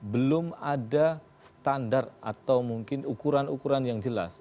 belum ada standar atau mungkin ukuran ukuran yang jelas